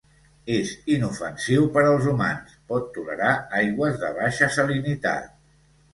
És inofensiu per als humans, pot tolerar aigües de baixa salinitat.